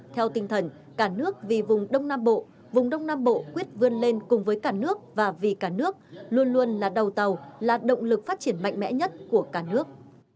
theo tinh thần cả nước vì vùng đông nam bộ vùng đông nam bộ quyết vươn lên cùng với cả nước và vì cả nước luôn luôn là đầu tàu là động lực phát triển mạnh mẽ nhất của cả nước